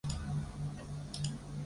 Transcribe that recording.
沈传芷出生于昆曲世家。